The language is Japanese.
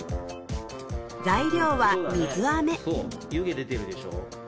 材料は水あめそう湯気出てるでしょ？